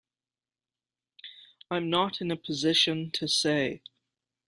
I'm not in a position to say.